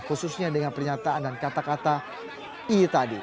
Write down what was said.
khususnya dengan pernyataan dan kata kata i tadi